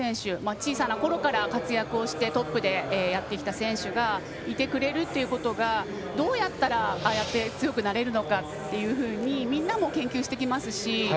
小さなころから活躍をしてトップでやってきた選手がいてくれるっていうことがどうやったらああやって強くなれるのかというふうにみんなも研究してきますし。